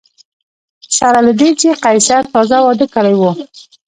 سره له دې چې قیصر تازه واده کړی و